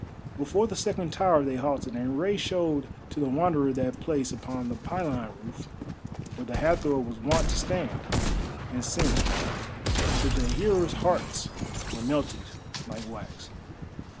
Before the second tower they halted, and Rei showed to the Wanderer that place upon the pylon roof where the Hathor was wont to stand and sing till the hearers' hearts were melted like wax.